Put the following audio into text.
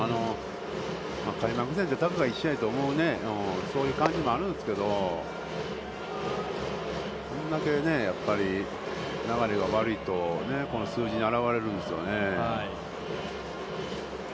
開幕戦でたかが１試合というそういう感じもあるんですけど、これだけ流れが悪いとね、この数字にあらわれるんですよね。